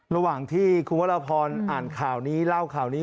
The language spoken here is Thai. ระหว่างที่คุณวรพรอ่านข่าวนี้เล่าข่าวนี้